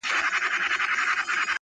ښاخ پر ښاخ پورته کېدى د هسک و لورته!!